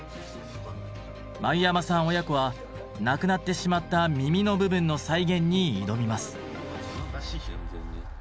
繭山さん親子は無くなってしまった耳の部分の再現に挑みます。